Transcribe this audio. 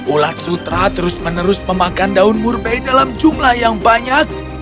ulat sutra terus menerus memakan daun murbe dalam jumlah yang banyak